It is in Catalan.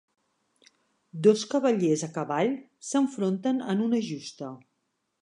Dos cavallers a cavall s'enfronten en una justa.